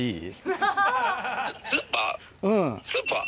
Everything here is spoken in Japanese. スーパー？